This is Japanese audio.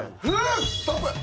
ストップ！